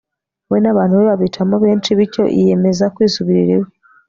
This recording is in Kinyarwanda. we n'abantu be, babicamo benshi, bityo yiyemeza kwisubirira iwe